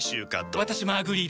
私もアグリーです。